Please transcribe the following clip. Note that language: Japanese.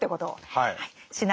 はい。